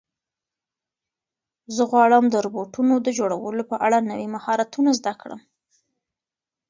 زه غواړم د روبوټونو د جوړولو په اړه نوي مهارتونه زده کړم.